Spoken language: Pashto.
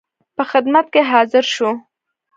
په خدمت کې حاضر شو.